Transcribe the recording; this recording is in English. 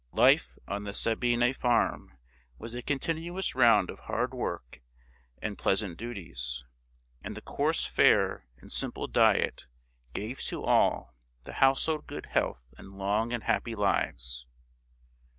Life on the Sabine farm was a con tinuous round of hard work and pleasant duties ; and the coarse fare and simple diet gave to all 204 THIRTY MORE FAMOUS STORIES the household good health and long and happy lives.